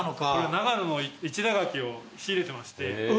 長野の市田柿を仕入れてまして。